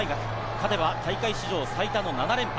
勝てば大会史上最多の７連覇。